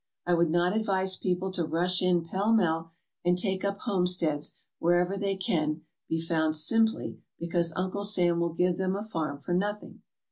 I would not advise people to rush in pell mell and take up home steads wherever they can be found simply because Uncle Sam will give them a farm for nothing.